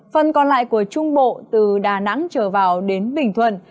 phần còn lại của trung bộ từ đà nẵng trở vào đến bình thuận